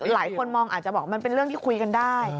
หลายคนมองอาจจะบอกมันเป็นเรื่องที่คุยกันได้